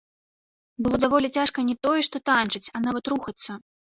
Было даволі цяжка не тое, што танчыць, а нават рухацца.